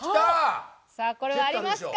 さあこれはありますか？